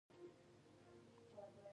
زما باور غلط راوخوت.